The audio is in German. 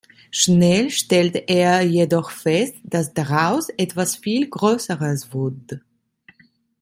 Schnell stellte er jedoch fest, dass daraus etwas viel größeres wurde.